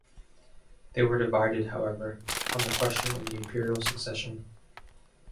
They were divided, however, on the question of the Imperial succession.